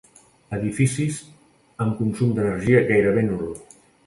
Edificis amb consum d'energia gairebé nul.